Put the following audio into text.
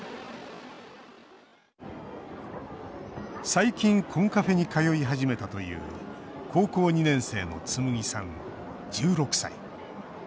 最近、コンカフェに通い始めたという高校２年生のつむぎさん、１６歳。